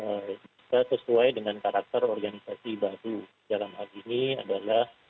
kita sesuai dengan karakter organisasi baru dalam hal ini adalah